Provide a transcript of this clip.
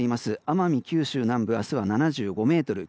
奄美、九州南部明日は７５メートル